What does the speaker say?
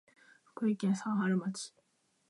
福島県三春町